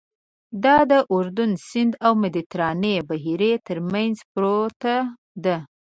دا د اردن سیند او مدیترانې بحیرې تر منځ پرته ده.